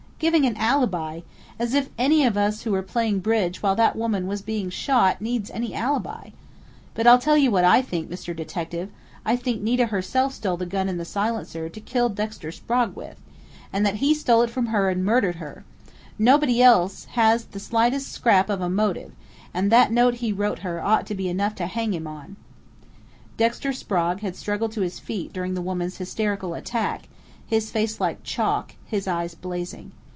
"Giving an alibi! As if any of us who were playing bridge while that woman was being shot needs any alibi!... But I'll tell you what I think, Mr. Detective! I think Nita herself stole the gun and the silencer, to kill Dexter Sprague with, and that he stole it from her and murdered her! Nobody else has the slightest scrap of a motive, and that note he wrote her ought to be enough to hang him on!" Dexter Sprague had struggled to his feet during the woman's hysterical attack, his face like chalk, his eyes blazing.